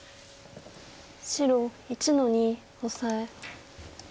白１の二オサエ。